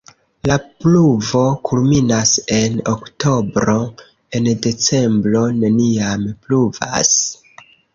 La pluvo kulminas en oktobro, en decembro neniam pluvas.